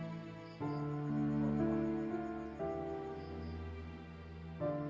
akan membawa perahaaa